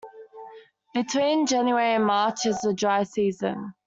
Between January and March is the dry season.